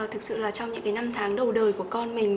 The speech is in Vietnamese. thực sự là trong những năm tháng đầu đời của con mình